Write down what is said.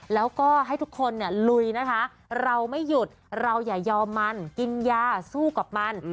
แล้วก็ให้ทุกคนลุยนะคะเราไม่หยุดเราอย่ายอมมันกินยาสู้กับมัน